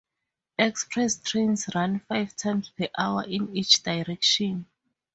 Express trains run five times per hour in each direction.